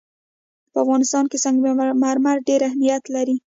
په افغانستان کې سنگ مرمر ډېر اهمیت لري.